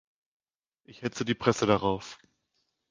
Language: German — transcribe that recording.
Ich hetze die Presse darauf.